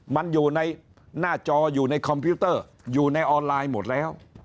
มันอยู่ในหน้าจออยู่ในคอมพิวเตอร์อยู่ในออนไลน์หมดแล้ว